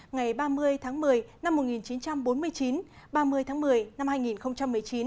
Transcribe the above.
ngày ba mươi tháng một mươi năm một nghìn chín trăm bốn mươi chín ba mươi tháng một mươi năm hai nghìn một mươi chín